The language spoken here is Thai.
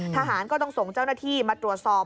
ทหารก็ต้องส่งเจ้าหน้าที่มาตรวจสอบ